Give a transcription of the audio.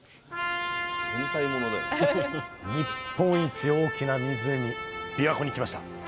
日本一大きな湖びわ湖に来ました。